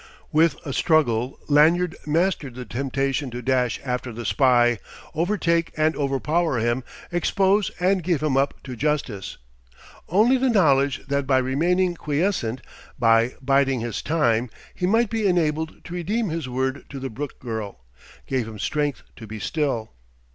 With a struggle Lanyard mastered the temptation to dash after the spy, overtake and overpower him, expose and give him up to justice. Only the knowledge that by remaining quiescent, by biding his time, he might be enabled to redeem his word to the Brooke girl, gave him strength to be still.